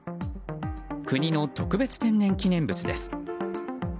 国の特別天然記念物です。